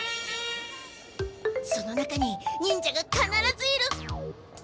その中に忍者がかならずいる！